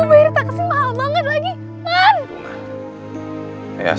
ulan nunggu gue gue hirta kasih mahal banget lagi